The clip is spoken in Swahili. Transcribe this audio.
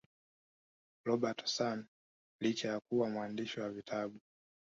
Robertson licha ya kuwa mwandishi wa vitabu